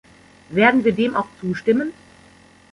Werden wir dem auch zustimmen?